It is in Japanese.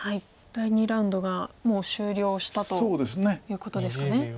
第２ラウンドがもう終了したということですかね。